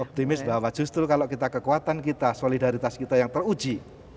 optimis bahwa justru kalau kita kekuatan kita solidaritas kita yang teruji